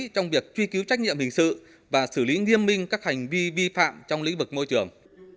trong việc truy cứu trách nhiệm hình sự và xử lý nghiêm minh các hành vi vi phạm trong lĩnh vực môi trường